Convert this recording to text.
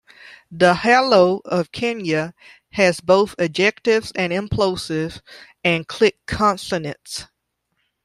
Dahalo of Kenya, has both ejectives and implosives and click consonants.